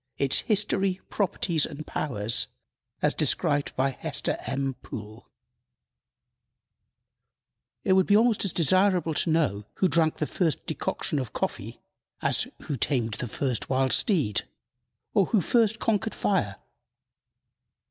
Its History, Properties and Powers, as described by Hester M. Poole. IT would be almost as desirable to know who drank the first decoction of coffee as "who tamed the first wild steed," or "who first conquered fire."